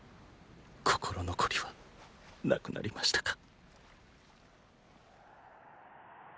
心残りはなくなりましたか？